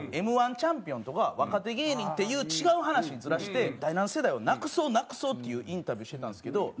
Ｍ−１チャンピオンとか若手芸人っていう違う話にずらして第七世代をなくそうなくそうっていうインタビューしてたんですけど。